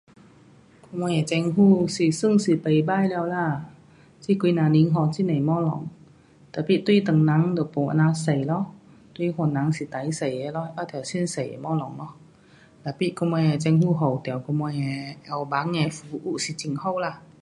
我们的政府是算是不错了啦，这几呐年给很多东西，tapi 对唐人就没这么多咯。对番人是最多咯。得到最多的东西咯，tapi 我们政府给我们药房的服务是很好。